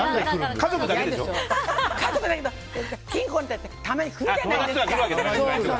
家族だけどピンポンってやってたまに来るじゃないですか。